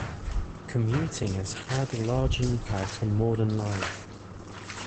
Commuting has had a large impact on modern life.